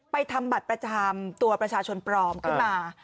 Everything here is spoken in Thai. ทำบัตรประจำตัวประชาชนปลอมขึ้นมา